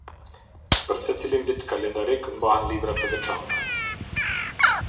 Për secilin vit kalendarik mbahen libra të veçanta.